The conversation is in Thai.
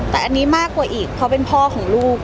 แต่อันนี้มากกว่าอีกเพราะเป็นพ่อของลูก